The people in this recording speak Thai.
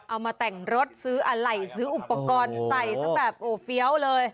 เอามาแต่งรถซื้ออะไรซื้ออุปกรณ์ใส่ซะแบบโอ้เฟี้ยวเลย